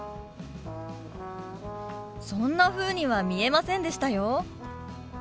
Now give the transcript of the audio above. そんなふうには見えませんでしたよ。